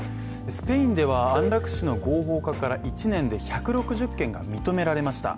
スペインでは安楽死の合法化で１年で１６０件が認められました。